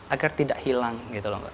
agar tidak hilang gitu lho mbak